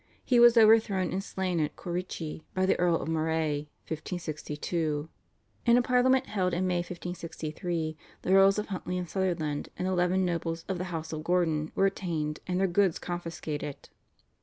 He was overthrown and slain at Corrichie by the Earl of Moray (1562). In a Parliament held in May 1563 the Earls of Huntly and Sutherland and eleven nobles of the house of Gordon were attainted, and their goods confiscated.